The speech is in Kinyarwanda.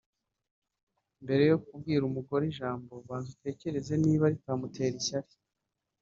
Mbere yo kubwira ijambo umugore banza utekereze niba bitamutera ishyari